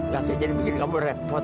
kakek jadi mikir kamu repot